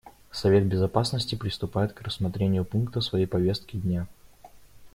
Совет Безопасности приступает к рассмотрению пункта своей повестки дня.